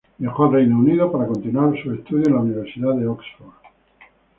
Viajó al Reino Unido para continuar sus estudios en la Universidad de Oxford.